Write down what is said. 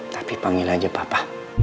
tapi panggil aja papa